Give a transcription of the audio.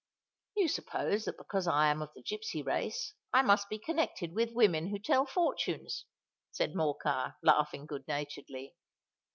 "You suppose that because I am of the gipsy race I must be connected with women who tell fortunes," said Morcar, laughing good naturedly.